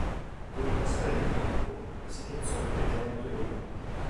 Con il passare del tempo, la situazione peggiorò notevolmente.